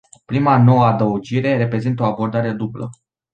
Prima nouă adăugire reprezintă o abordare dublă.